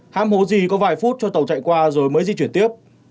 hắm hố gì có vài phút cho tàu chạy qua rồi mới di chuyển tiếp